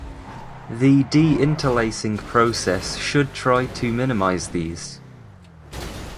The deinterlacing process should try to minimize these.